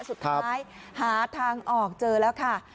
สุดท้ายหาทางออกเจอแล้วค่ะ